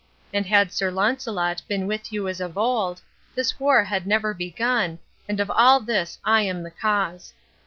And had Sir Launcelot been with you as of old, this war had never begun, and of all this I am the cause."